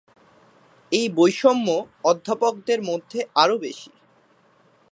এই বৈষম্য অধ্যাপকদের মধ্যে আরো বেশি।